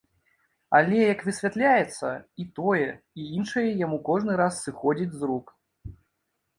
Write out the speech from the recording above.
Але, як высвятляецца, і тое, і іншае яму кожны раз сыходзіць з рук.